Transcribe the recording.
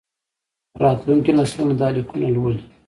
راتلونکي نسلونه دا لیکونه لولي.